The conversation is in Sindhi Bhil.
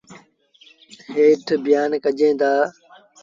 هيٺ بيآن ڪجين دآ۔